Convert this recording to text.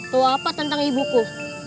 kau apa tentang ibuku